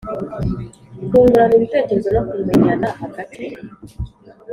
kungurana ibitekerezo no kumenyana hagati